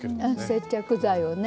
接着剤をね。